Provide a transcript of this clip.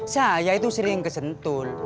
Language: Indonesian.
saya itu sering ke sentul